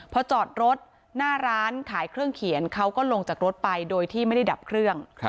พอจอดรถหน้าร้านขายเครื่องเขียนเขาก็ลงจากรถไปโดยที่ไม่ได้ดับเครื่อง